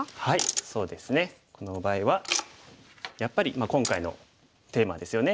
そうですねこの場合はやっぱり今回のテーマですよね。